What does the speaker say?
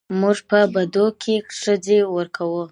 موږ په بدو کې ښځې ورکوو